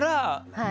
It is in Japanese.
はい。